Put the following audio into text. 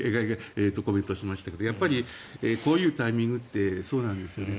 コメントしましたけどやっぱりこういうタイミングってそうなんですよね。